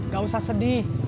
gak usah sedih